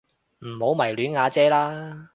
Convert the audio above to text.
唔好迷戀阿姐啦